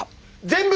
全部！